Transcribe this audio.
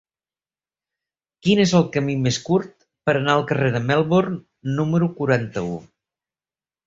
Quin és el camí més curt per anar al carrer de Melbourne número quaranta-u?